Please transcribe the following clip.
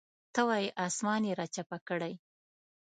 ته وایې اسمان یې راچپه کړی.